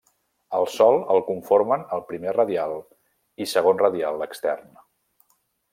El sòl el conformen el primer radial i segon radial extern.